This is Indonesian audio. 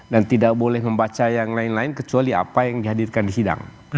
dan tidak boleh membaca yang lain lain kecuali apa yang dihadirkan di sidang